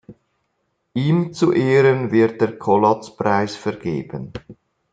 Ihm zu Ehren wird der Collatz-Preis vergeben.